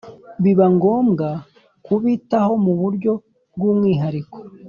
biba ngombwa kubitaho mu buryo bw’umwihariko